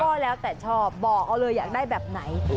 ก็แล้วแต่ชอบบอกเอาเลยอยากได้แบบไหน